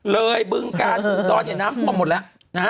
เลยบึงการดอนในน้ำท่วมหมดแล้ว